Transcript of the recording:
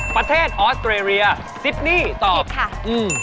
ประเทศออสเตเรียซิบนี่ตอบพิษค่ะ